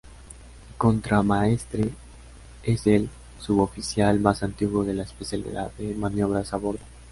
Contramaestre es el suboficial más antiguo de la especialidad de maniobras, a bordo.